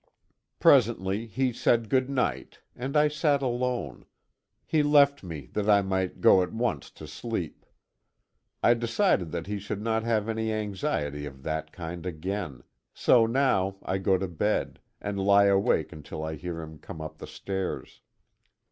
Presently, he said good night, and I sat alone he left me that I might go at once to sleep. I decided that he should not have any anxiety of that kind again; so now I go to bed and lie awake until I hear him come up the stairs.